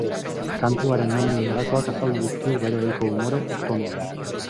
Kantuaren nondik norakoak azaldu dizkigu bere ohiko umore tonuan.